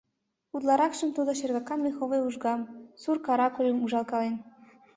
Утларакшым тудо шергакан меховой ужгам, сур каракульым ужалкален.